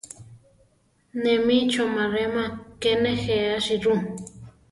Né mi chomaréma ké nejéachi rú.